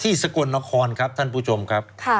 ที่สกรนะคอนครับท่านผู้ชมครับ